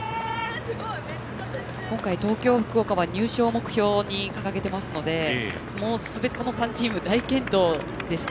今回、東京と福岡は入賞を目標に掲げていますのでこの３チーム大健闘ですよね。